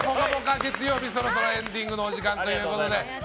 月曜日そろそろエンディングのお時間ということで。